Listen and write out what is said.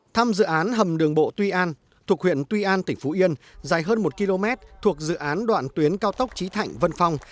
thăm dự án hầm đường bộ tuy an thuộc huyện tuy an tỉnh phú yên dài hơn một km thuộc dự án đoạn tuyến cao tốc trí thạnh vân phong